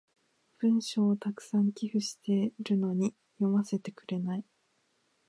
文章を沢山寄付してるのに読ませてくれない。